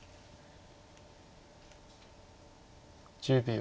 １０秒。